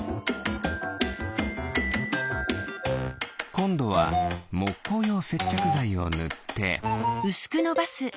こんどはもっこうようせっちゃくざいをぬって。